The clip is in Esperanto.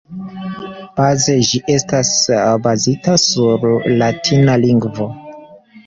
Baze ĝi estas bazita sur latina lingvo.